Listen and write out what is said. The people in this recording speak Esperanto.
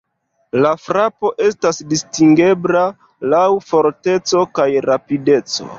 La frapo estas distingebla laŭ forteco kaj rapideco.